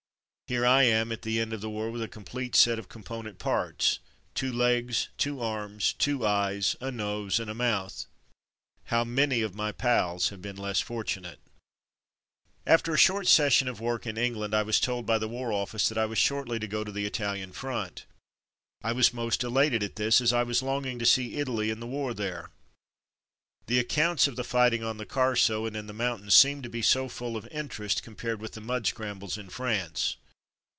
Here I am, at the end of the war, with a complete set of component parts ; two legs, two arms, two eyes, a nose, and a mouth. How many of my pals have been less fortunate ! After a short session of work in England I was told by the War Office that I was shortly to go to the Italian front. I was most elated at this, as I was longing to see Italy and the war there. The accounts of the fighting on the Carso and in the mountains seemed to be so full of interest compared with the mud scrambles in France.